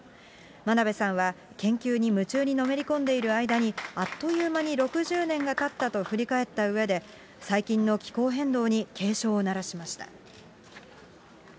真鍋さんは、研究に夢中にのめり込んでいる間に、あっという間に６０年がたったと振り返ったうえで、最近の気候変動に警鐘を鳴らしました。